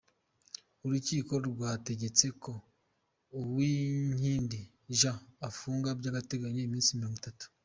Urukiko rwategetse ko Uwinkindi Jean afungwa by’agateganyo iminsi Mirongo Itatu